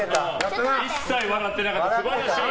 一切笑ってなかった。